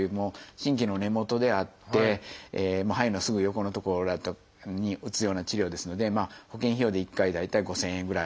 神経の根元であって肺のすぐ横の所に打つような治療ですので保険費用で１回大体５，０００円ぐらい。